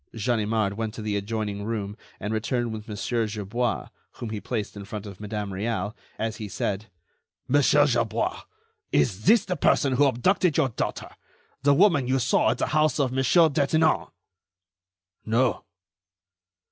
Ganimard went to the adjoining room and returned with Mon. Gerbois, whom he placed in front of Madame Réal, as he said: "Monsieur Gerbois, is this the person who abducted your daughter, the woman you saw at the house of Monsieur Detinan?" "No."